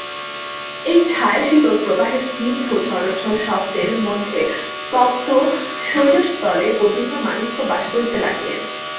এই ছায়াশীতল প্রবাহের স্নিগ্ধ ঝর্ঝর শব্দের মধ্যে স্তব্ধ শৈলতলে গোবিন্দমাণিক্য বাস করিতে লাগিলেন।